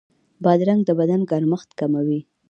بادرنګ د بدن ګرمښت کموي.